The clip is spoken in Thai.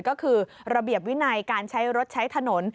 ก็คือระเบียบวินัยการใช้รถใช้ถนน